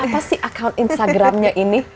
apa sih akun instagramnya ini